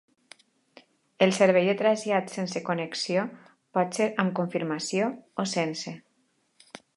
El servei de trasllat sense connexió pot ser amb confirmació o sense.